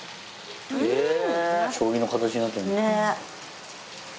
将棋の形になってる。ねぇ。